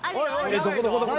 どこどこどこ？